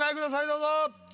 どうぞ。